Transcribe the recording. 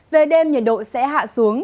về đêm nhiệt độ sẽ hạ xuống